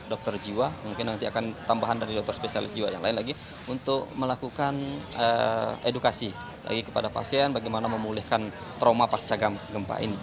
dokter jiwa mungkin nanti akan tambahan dari dokter spesialis jiwa yang lain lagi untuk melakukan edukasi lagi kepada pasien bagaimana memulihkan trauma pasca gempa ini